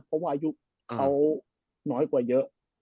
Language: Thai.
เพราะว่าอายุเขาน้อยกว่าเยอะ